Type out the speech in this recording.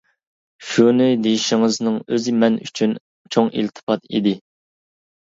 شۇنى دېيىشىڭىزنىڭ ئۆزى مەن ئۈچۈن چوڭ ئىلتىپات ئىدى.